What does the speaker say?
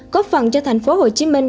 có phần cho thành phố hồ chí minh